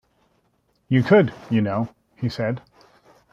"You could, you know," he said.